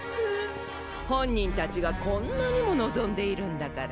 本人たちがこんなにも望んでいるんだから。